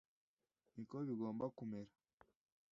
Niko bigomba kumera.